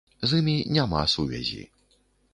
З імі няма сувязі.